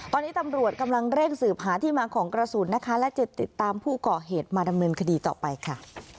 ตอนนี้ตำรวจกำลังเร่งสืบหาที่มาของกระสุนนะคะและจะติดตามผู้ก่อเหตุมาดำเนินคดีต่อไปค่ะ